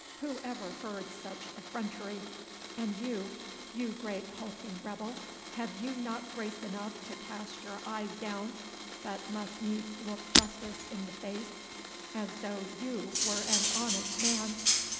Who ever heard such effrontery? And you, you great hulking rebel, have you not grace enough to cast your eyes down, but must needs look justice in the face as though you were an honest man?